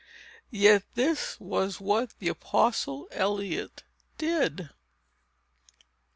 Yet this was what the Apostle Eliot did.